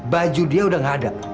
baju dia udah gak ada